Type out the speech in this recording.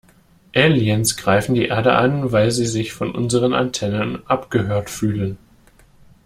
Aliens greifen die Erde an, weil sie sich von unseren Antennen abgehört fühlen.